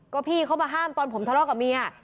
ก็พี่เขามาห้ามตอนผมทะเลาะกับเมีย